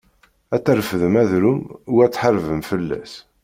Ad trefdem adrum u ad tḥarbem fell-as.